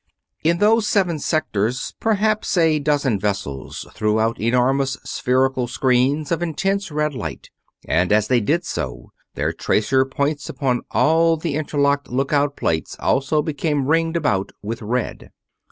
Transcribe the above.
In those seven sectors perhaps a dozen vessels threw out enormous spherical screens of intense red light, and as they did so their tracer points upon all the interlocked lookout plates also became ringed about with red.